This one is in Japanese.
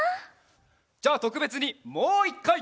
じゃあとくべつにもう１かい！